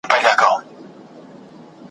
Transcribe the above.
ما به وینې ما به اورې زه به ستا مینه تنها یم ,